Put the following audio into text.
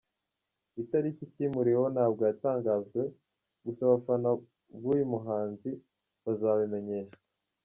Itariki cyimuriweho ntabwo yatangajwe gusa abafana b’uyu muhanzi bazabimenyeshwa.